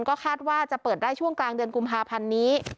ก็คาดว่าจะเปิดได้ช่วงกลางเดือนกุมภาพันธ์นี้